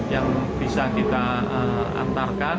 yang bisa kita antarkan